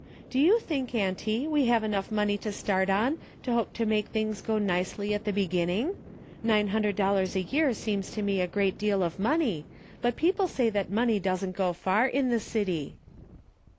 Do you think, auntie, w^e have enough money to start on to hope to make things go nicely at the beginning ? ]N ine hundred dollars a year seems to me a great deal of money, but people say that money doesn't go far in the city."